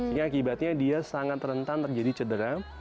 ini akibatnya dia sangat rentan terjadi cedera